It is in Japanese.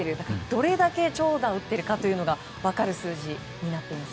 どれだけ長打を打っているのかが分かる数字なんです。